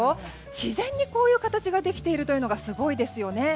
自然にこういう形ができているのがすごいですよね。